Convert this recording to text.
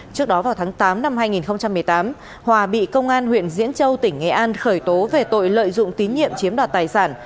trước đó vào tháng tám năm hai nghìn một mươi tám hòa bị công an huyện diễn châu tỉnh nghệ an khởi tố về tội lợi dụng tín nhiệm chiếm đoạt tài sản